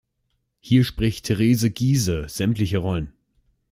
Hier spricht Therese Giehse sämtliche Rollen.